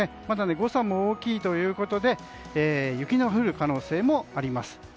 まだ誤差も大きいということで雪の降る可能性もあります。